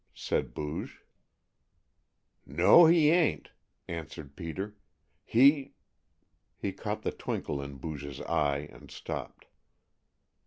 said Booge. "No, he ain't," answered Peter. "He " He caught the twinkle in Booge's eye and stopped.